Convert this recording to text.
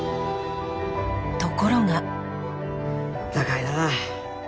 ところが。